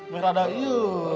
biar ada iu